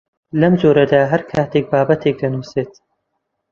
لەم جۆرەدا هەر کاتێک بابەتێک دەنووسیت